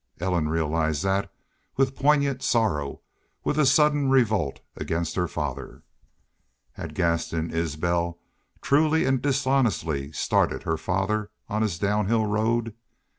Ellen realized that with poignant sorrow, with a sudden revolt against her father. Had Gaston Isbel truly and dishonestly started her father on his downhill road?